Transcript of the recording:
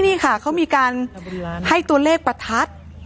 นี่ค่ะเขามีการให้ตัวเลขประทัด